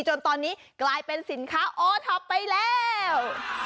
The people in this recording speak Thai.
จนตอนนี้กลายเป็นสินค้าโอท็อปไปแล้ว